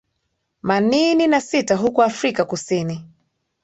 manini na sita huku afrika kusini